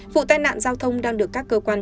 vụ tai nạn giao thông đang được các cơ quan